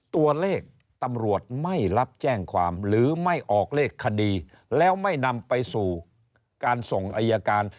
ตัวเลขตำรวจไม่รับแจ้งความหรือไม่ออกเลขคดีแล้วไม่นำไปสู่การส่งอายการ